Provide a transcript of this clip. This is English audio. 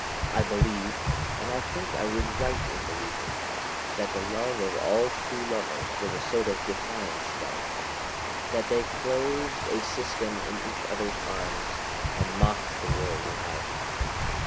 I believed, and I think I was right in believing, that the love of all true lovers was a sort of defiance then, that they closed a system in each other's arms and mocked the world without.